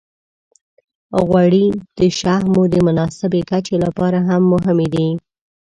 غوړې د شحمو د مناسبې کچې لپاره هم مهمې دي.